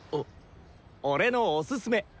俺のおすすめ！